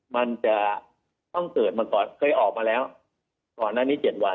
มันจะต้องเกิดมาก่อนเคยออกมาแล้วก่อนหน้านี้๗วัน